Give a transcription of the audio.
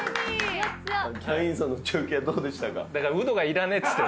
キャインさんの中継どうでしたか？